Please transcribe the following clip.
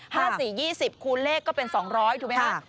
ห้าสี่ยี่สิบคูณเลขก็เป็นสองร้อยถูกไหมฮะ